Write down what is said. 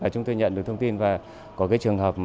chúng tôi nhận được thông tin và có cái trường hợp